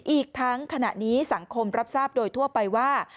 อีกทั้งขณะนี้สังคมรับทราบโดยทั่วไปว่า